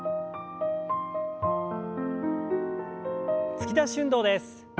突き出し運動です。